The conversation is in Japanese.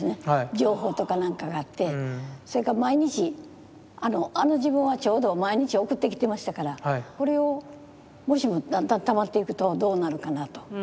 情報とか何かがあってそれから毎日あの時分はちょうど毎日送ってきてましたからこれをもしもだんだんたまっていくとどうなるかなと。